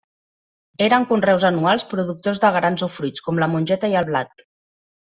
Eren conreus anuals productors de grans o fruits, com la mongeta i el blat.